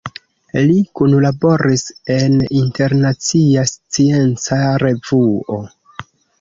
Li kunlaboris en Internacia Scienca Revuo.